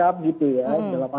dan mengerti juga yang disokongnya